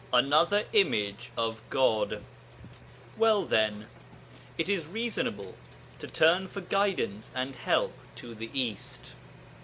ANOTHER IMAGE OF GOD Well, then, it is reasonable to turn for guidance and help to the East.